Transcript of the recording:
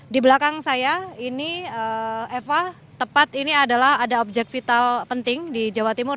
di belakang saya ini eva tepat ini adalah ada objek vital penting di jawa timur